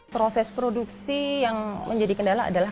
proses produksi yang menjadi kendala adalah